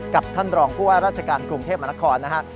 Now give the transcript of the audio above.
กับท่านรองผู้ว่าราชการกรุงเทพมนครนะครับ